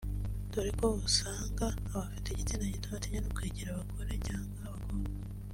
dore ko usanga abafite igitsina gito batinya no kwegera abagore cyangwa abakobwa